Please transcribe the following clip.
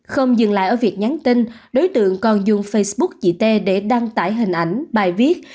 không dừng lại ở việc nhắn tin đối tượng còn dùng facebook chị t để đăng tải hình ảnh bài viết